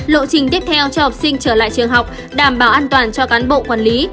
lộ trình tiếp theo cho học sinh trở lại trường học đảm bảo an toàn cho cán bộ quản lý